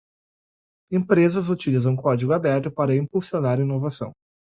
Empresas utilizam código aberto para impulsionar inovação.